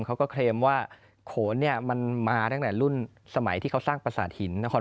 เขาก็เคลมว่าโขนมันมาตั้งแต่รุ่นสมัยที่เขาสร้างประสาทหิน